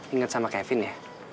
inget sama kevin ya